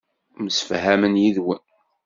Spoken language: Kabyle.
Msefhamen yid-wen.